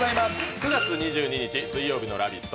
９月２２日水曜日の「ラヴィット！」